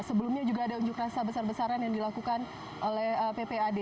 sebelumnya juga ada unjuk rasa besar besaran yang dilakukan oleh ppad